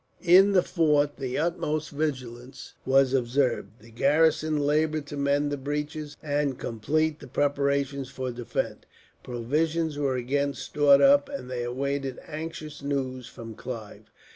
In the fort, the utmost vigilance was observed. The garrison laboured to mend the breaches, and complete the preparations for defence. Provisions were again stored up, and they awaited anxiously news from Clive.